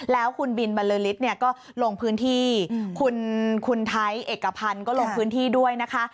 แล้วคุณบินบรรลือฤทธิ์เนี่ยก็ลงพื้นที่คุณไทยเอกพันธ์ก็ลงพื้นที่ด้วยนะคะ